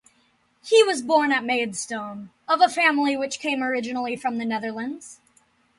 He was born at Maidstone, of a family which came originally from the Netherlands.